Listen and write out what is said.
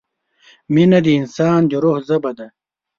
مینه د انسان د روح ژبه ده.